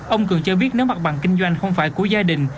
ông cường cho biết nếu mặt bằng kinh doanh không phải của gia đình